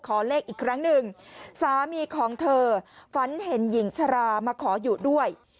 ขอเลขอีกครั้งหนึ่งสามีของเธอฝันเห็นหญิงชรามาขออยู่ด้วย